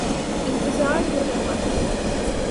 انتظار ہو رہا تھا